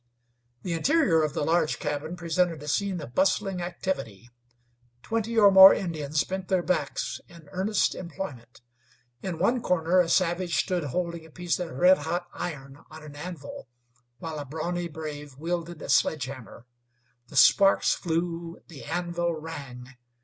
The interior of the large cabin presented a scene of bustling activity. Twenty or more Indians bent their backs in earnest employment. In one corner a savage stood holding a piece of red hot iron on an anvil, while a brawny brave wielded a sledge hammer. The sparks flew; the anvil rang.